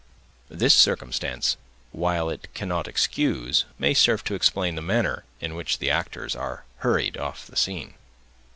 This circumstance, while it cannot excuse, may serve to explain the manner in which the actors are hurried off the scene.